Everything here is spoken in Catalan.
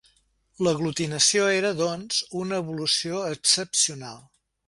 L'aglutinació era, doncs, una evolució excepcional.